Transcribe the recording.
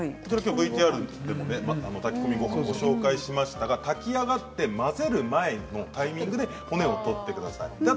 ＶＴＲでも炊き込みごはんをご紹介しましたが炊き上がって混ぜる前のタイミングで骨を取ってください。